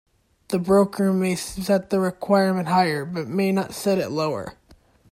The broker may set the requirement higher, but may not set it lower.